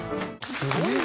すごいな！